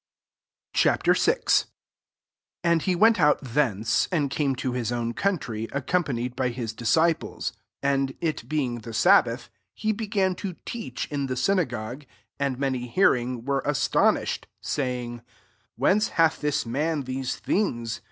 Ch. VI. 1 AND he went out thence, and came to his own country, accompanied by his dis 82 MARK VI. ciples 2And it being the sabbath, he began to teach in the syna gogue : and many hearing, were astonished, saying " Whence hath this man these things